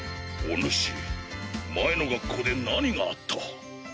お主前の学校で何があった？